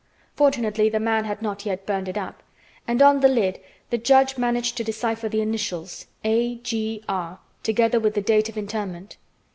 Fortunately, the man had not yet burned it up, and on the lid the judge managed to decipher the initials: "A.G.R." together with the date of interment.